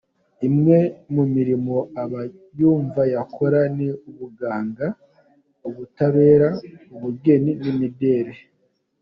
Imwe mu mirimo aba yumva yakora ni ubuganga, ubutabera, ubugeni n’imideli.